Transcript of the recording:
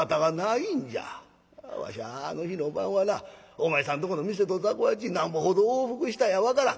わしゃあの日の晩はなお前さんとこの店と雑穀八なんぼほど往復したや分からん。